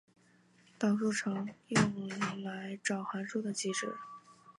导数常用来找函数的极值。